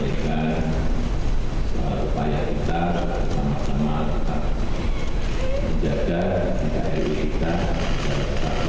dari ulama saya ingin menyampaikan supaya kita bersama sama menjaga keindahan kita